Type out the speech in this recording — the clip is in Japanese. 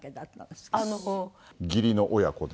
義理の親子で。